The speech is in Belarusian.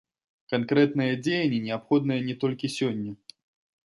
Канкрэтныя дзеянні неабходныя не толькі сёння.